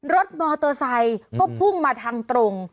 รถมอเตอร์ไซค์ก็พุ่งมาทางตรง